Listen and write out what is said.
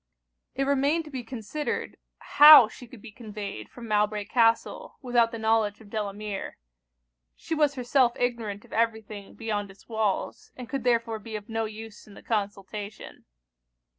It remained to be considered how she could be conveyed from Mowbray Castle without the knowledge of Delamere. She was herself ignorant of every thing beyond its walls, and could therefore be of no use in the consultation.